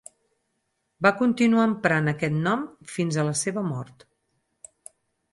Va continuar emprant aquest nom fins a la seva mort.